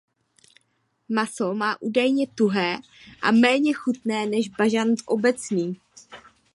Maso má údajně tuhé a méně chutné než bažant obecný.